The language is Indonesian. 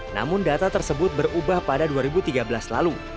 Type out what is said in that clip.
namun data tersebut berubah pada dua ribu tiga belas lalu